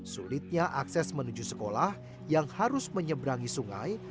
sulitnya akses menuju sekolah yang harus menyeberangi sungai